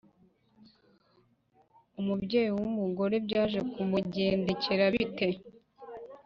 Umubyeyi w’umugore byaje kumugendekera bite?